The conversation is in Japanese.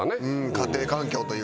家庭環境というか。